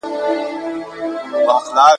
دا بازار له هغه ښه دی!!